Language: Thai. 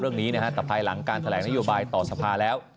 เรื่องนี้นะฮะแต่ภายหลังการแถลงนโยบายต่อสภาแล้ว